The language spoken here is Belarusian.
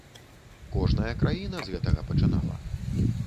Кожная краіна з гэтага пачынала.